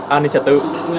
an ninh trật tự